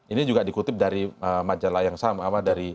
ini juga dikutip dari majalah yang sama dari